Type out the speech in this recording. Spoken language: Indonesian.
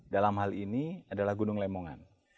dalam hal ini adalah gunung lemongan